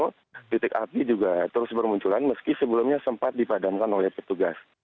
titik api juga terus bermunculan meski sebelumnya sempat dipadamkan oleh petugas